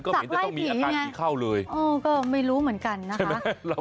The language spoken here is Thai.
ก็เห็นจะต้องมีอาการผีเข้าเลยสักไหล่ผีไงเออก็ไม่รู้เหมือนกันนะคะ